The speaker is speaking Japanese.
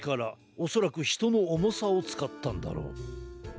おそらくひとのおもさをつかったんだろう。